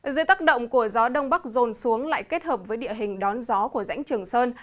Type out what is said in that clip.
dưới tác động của gió đông bắc rồn xuống lại kết hợp với địa hình đón gió của rãnh trường sơn